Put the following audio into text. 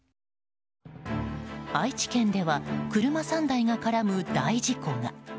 愛知県では車３台が絡む大事故が。